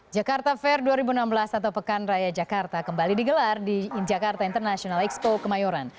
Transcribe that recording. jakarta fair dua ribu enam belas atau pekan raya jakarta kembali digelar di jakarta international expo kemayoran